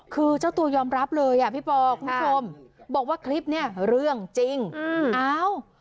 คือเจ้าตัวยอมรับเลยอ่ะพี่ปอคุณผู้ชมบอกว่าคลิปเนี้ยเรื่องจริงอืมอ้าว